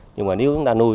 nhưng mà nếu chúng ta nuôi